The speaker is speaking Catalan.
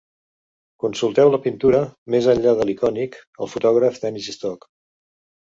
Consulteu la pintura Més enllà de l'icònic: el fotògraf Dennis Stock.